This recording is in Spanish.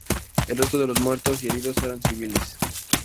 El resto de los muertos y heridos eran civiles.